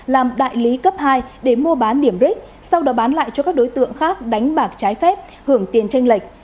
làm đại lý cấp hai để mua bán điểm ric sau đó bán lại cho các đối tượng khác đánh bạc trái phép hưởng tiền tranh lệch